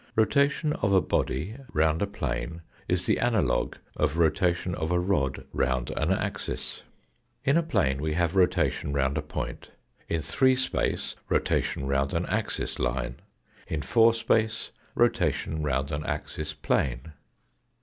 Rotation of a body round a plane is the analogue of rotation of a rod round an axis. In a plane we have rotation round a point, in three space rotation round an axis line, in four space rotation round an axis plane.